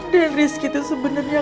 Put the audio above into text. dendriski tuh sebenernya